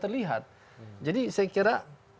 lihat jadi saya kira